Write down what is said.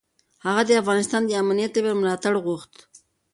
هغه د افغانستان د امنیت لپاره ملاتړ غوښت.